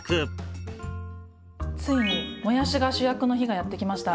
ついにもやしが主役の日がやって来ました。